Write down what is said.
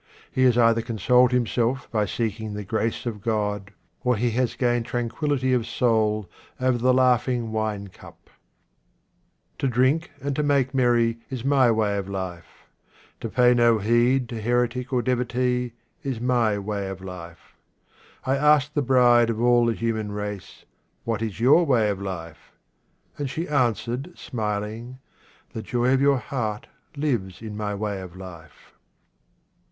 He has either consoled himself by seeking the grace of God, or he has gained tranquillity of soul over the laughing wine cup. To drink and to make merry is my way of life. To pay no heed to heretic or devotee is my 68 QUATRAINS OF OMAR KHAYYAM way of life. I asked the bride of all the human race, " What is your way of life ?" And she answered, smiling, "The joy of your heart lives in my way of life."